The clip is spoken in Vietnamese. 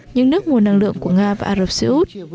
những nước nguồn năng lượng của nga và ả rập xê út